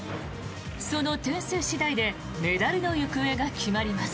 その点数次第でメダルの行方が決まります。